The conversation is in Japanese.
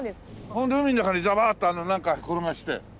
それで海の中にザバーッてなんか転がして。